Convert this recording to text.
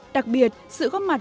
đặc biệt sự góp mặt